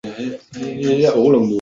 汝阴郡。